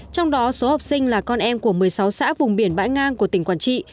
trong đó số học sinh là con em của một mươi sáu xã vùng biển bãi ngang của tỉnh quảng trị